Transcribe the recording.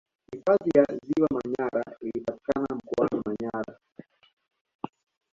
hifadhi ya ziwa manyara inapatikana mkoani manyara